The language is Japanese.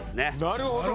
なるほど。